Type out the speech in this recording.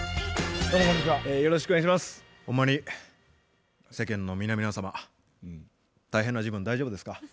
ほんまに世間の皆々様大変な時分大丈夫ですか？